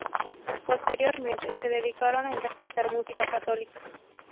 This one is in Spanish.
Posteriormente, se dedicaron a interpretar música católica.